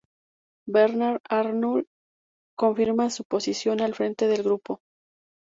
Bernard Arnault confirma su posición al frente del grupo.